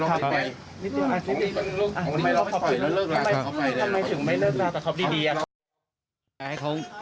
แล้วทำไมมันเกิดอะไรขึ้นครับเราถึงจะไปก่อเผชิญครับ